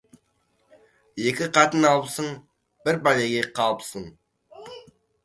Екі қатын алыпсың, бір пәлеге қалыпсың.